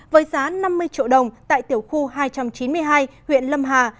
với giá năm mươi triệu đồng tại tiểu khu hai trăm chín mươi hai huyện lâm hà